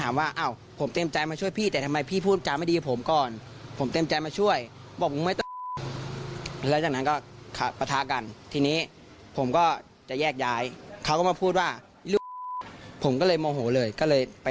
ไม่มีครับพ่อผมยงไปถามว่า